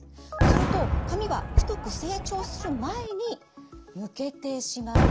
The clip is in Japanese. すると髪は太く成長する前に抜けてしまうんです。